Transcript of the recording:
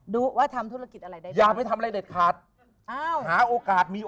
ว่าทำธุรกิจอะไรได้อย่าไปทำอะไรเด็ดขาดอ้าวหาโอกาสมี